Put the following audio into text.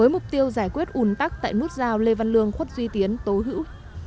mục tiêu giải quyết ủn tắc tại nút rào lê văn lương khuất duy tiến tố hữu